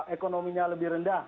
ekonominya lebih rendah